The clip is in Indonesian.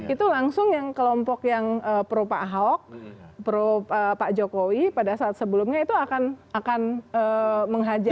itu langsung yang kelompok yang pro pak ahok pro pak jokowi pada saat sebelumnya itu akan menghajar